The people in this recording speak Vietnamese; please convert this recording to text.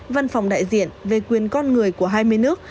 văn phòng đại diện về quyền con người của hai mươi nước